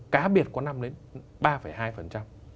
cá biệt có năm đến ba hai